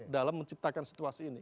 dalam menciptakan situasi ini